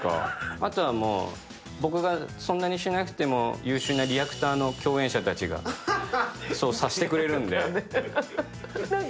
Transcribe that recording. あとはもう、僕がそんなにしなくても優秀なリアクターの共演者たちがそうさせてくれるんで。